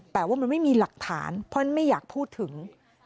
แต่ว่ามันไม่มีหลักฐานเพราะฉะนั้นไม่อยากพูดถึง